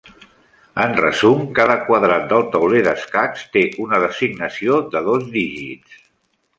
En resum, cada quadrat del tauler d'escacs té una designació de dos dígits.